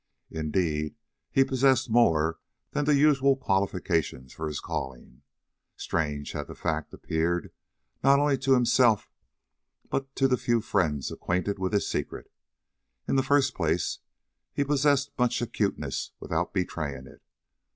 Indeed, he possessed more than the usual qualifications for his calling, strange as the fact appeared not only to himself but to the few friends acquainted with his secret. In the first place, he possessed much acuteness without betraying it.